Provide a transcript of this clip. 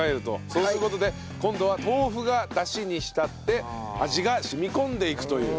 そうする事で今度は豆腐がだしに浸って味が染み込んでいくという。